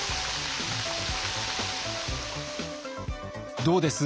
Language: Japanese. どうです？